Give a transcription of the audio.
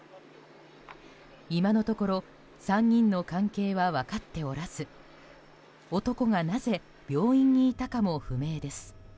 今のところ３人の関係は分かっておらず男が、なぜ病院にいたかも不明です。